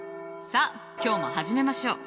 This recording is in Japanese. さあ今日も始めましょう！